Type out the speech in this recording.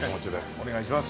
お願いします。